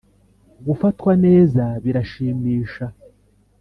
gufatwa neza birashimisha